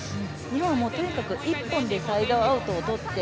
日本はとにかく１本でサイドアウトをとって、